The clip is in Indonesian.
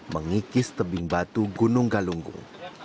mengikis tebing batu gunung galunggung